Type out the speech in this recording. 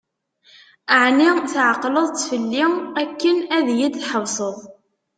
Ɛni tεeqdeḍ-t fell-i akken ad yi-d-tḥesbeḍ?